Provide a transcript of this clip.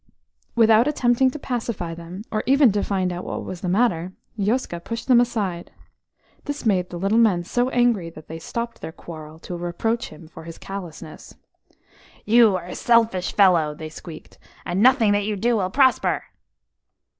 Without attempting to pacify them, or even to find out what was the matter, Yoska pushed them aside. This made the little men so angry that they stopped their quarrel to reproach him for his callousness. "You are a selfish fellow," they squeaked, "and nothing that you do will prosper."